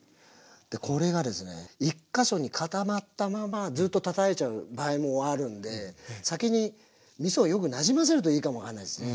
これがですね１か所に固まったままずっとたたいちゃう場合もあるんで先にみそをよくなじませるといいかも分かんないですね。